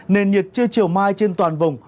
nên nhiệt chưa chiều mai trên toàn vùng